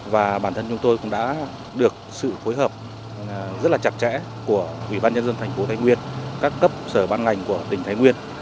và bản thân chúng tôi cũng đã được sự phối hợp rất là chặt chẽ của ủy ban nhân dân thành phố thái nguyên các cấp sở ban ngành của tỉnh thái nguyên